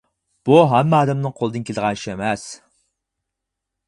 بۇ ھەممە ئادەمنىڭ قولىدىن كېلىدىغان ئىش ئەمەس.